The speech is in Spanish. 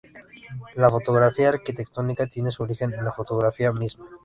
La fotografía arquitectónica tiene su origen en la fotografía misma.